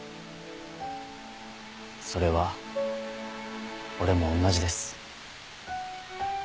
それは俺もおんなじです。